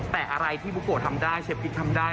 แต่อะไรที่บุโกะทำได้เชฟกิ๊กทำได้